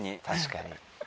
確かに。